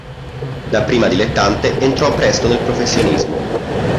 Dapprima dilettante, entrò presto nel professionismo.